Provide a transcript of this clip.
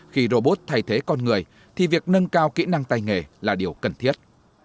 khi robot thay thế con người thì việc nâng cao kỹ năng tay nghề là điều cần thiết